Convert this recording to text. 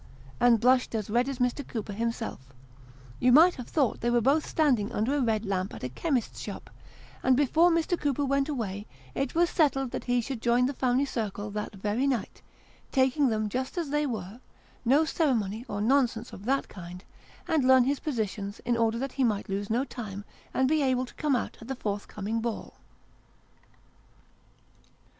" and blushed as red as Mr. Cooper himself you might have thought they were both standing under a red lamp at a chemist's shop ; and before Mr. Cooper went away it was settled that he should join the family circle that very night taking them just as they were no ceremony nor nonsense of that kind and learn his positions in order that he might lose no time, and be able to come out at the forthcoming ball.